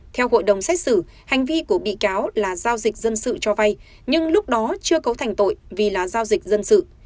theo hội đồng xét xử hành vi của bị cáo là giao dịch dân sự cho vay nhưng lúc đó chưa cấu thành tội vì là giao dịch dân sự